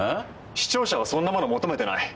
視聴者はそんなもの求めてない。